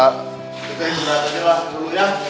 kita yang berjalan dulu ya